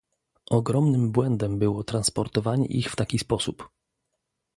Ogromnym błędem było transportowanie ich w taki sposób